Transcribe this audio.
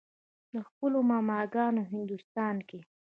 د خپلو ماما ګانو هندوستان کښې